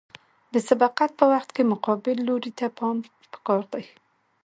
د سبقت په وخت کې مقابل لوري ته پام پکار دی